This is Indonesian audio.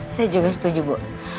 saya juga setuju bu